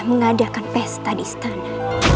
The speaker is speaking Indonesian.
mengadakan pesta di istana